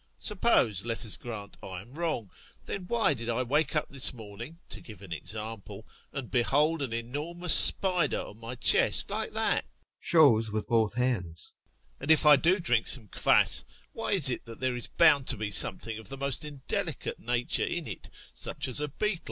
Suppose, let us grant, I am wrong; then why did I wake up this morning, to give an example, and behold an enormous spider on my chest, like that. [Shows with both hands] And if I do drink some kvass, why is it that there is bound to be something of the most indelicate nature in it, such as a beetle?